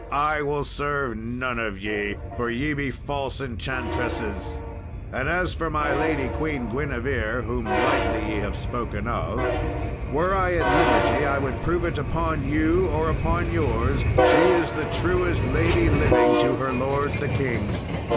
I will serve none of ye, for ye be false enchantresses. And as for my lady, Queen Guinevere, whom lightly ye have spoken of, were I at liberty I would prove it upon you or upon yours she is the truest lady living to her lord the king."